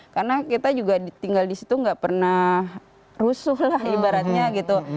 karena kita juga tinggal di situ gak pernah rusuh lah ibaratnya gitu